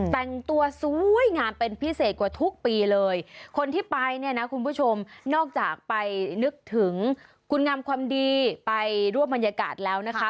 แต่งตัวสวยงามเป็นพิเศษกว่าทุกปีเลยคนที่ไปเนี่ยนะคุณผู้ชมนอกจากไปนึกถึงคุณงามความดีไปร่วมบรรยากาศแล้วนะคะ